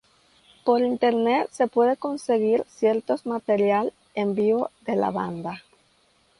Por internet se puede conseguir cierto material en vivo de la banda.